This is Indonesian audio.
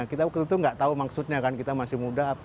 kita waktu itu nggak tahu maksudnya kan kita masih muda